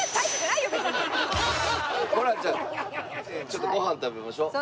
ちょっとご飯食べましょう。